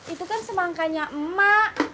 itu kan semangkanya emak